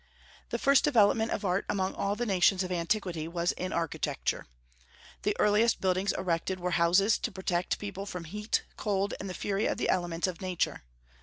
The first development of art among all the nations of antiquity was in architecture. The earliest buildings erected were houses to protect people from heat, cold, and the fury of the elements of Nature.